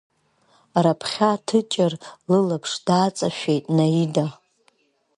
Раԥхьа Тыҷыр лылаԥш дааҵашәеит Наида.